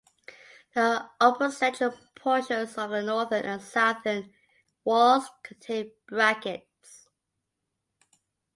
The upper central portions of the northern and southern walls contain brackets.